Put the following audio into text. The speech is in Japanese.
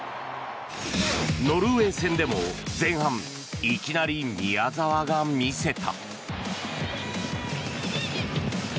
ノルウェー戦でも前半、いきなり宮澤が見せた。